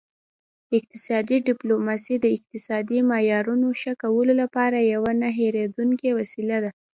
اقتصادي ډیپلوماسي د اقتصادي معیارونو ښه کولو لپاره یوه نه هیریدونکې وسیله ده